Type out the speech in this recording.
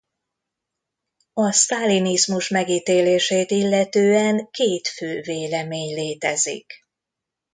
A sztálinizmus megítélését illetően két fő vélemény létezik.